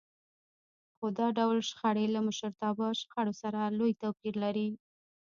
خو دا ډول شخړې له مشرتابه شخړو سره لوی توپير لري.